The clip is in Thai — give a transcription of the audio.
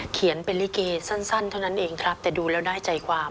เขียนเป็นลิเกสั้นเท่านั้นเองครับแต่ดูแล้วได้ใจความ